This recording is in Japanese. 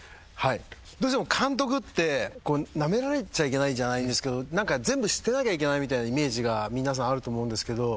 どうしても監督ってなめられちゃいけないじゃないんですけど全部知ってなきゃいけないみたいなイメージが皆さんあると思うんですけど。